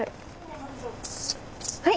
はい！